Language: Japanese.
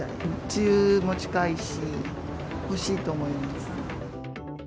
梅雨も近いし、欲しいと思います。